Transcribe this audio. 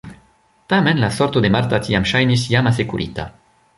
Tamen la sorto de Marta tiam ŝajnis jam asekurita.